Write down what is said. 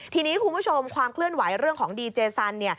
ทีนี้คุณผู้ชมความเคลื่อนไหวเรื่องของดีเจสัน